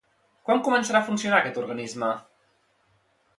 Quan començarà a funcionar aquest organisme?